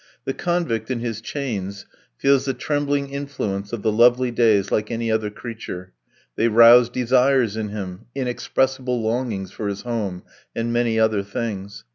The convict, in his chains, feels the trembling influence of the lovely days like any other creature; they rouse desires in him, inexpressible longings for his home, and many other things.